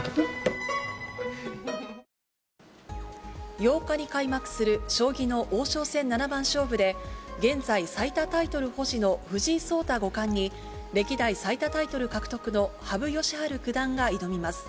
８日に開幕する将棋の王将戦七番勝負で、現在、最多タイトル保持の藤井聡太五冠に、歴代最多タイトル獲得の羽生善治九段が挑みます。